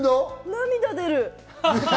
涙出る！